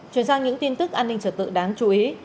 chuyển sang những tin tức an ninh trở tự đáng chú ý